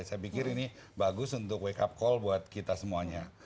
saya pikir ini bagus untuk wake up call buat kita semuanya